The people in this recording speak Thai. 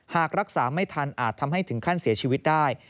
หากรักษาไม่ทันอาจทำให้ถึงขั้นเสียชีวิตได้